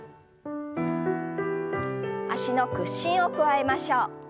脚の屈伸を加えましょう。